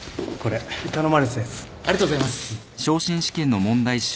ありがとうございます。